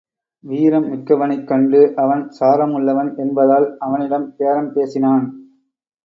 வீரம் மிக்கவனைக் கண்டு அவன் சாரமுள்ளவன் என்பதால் அவனிடம் பேரம் பேசினான்.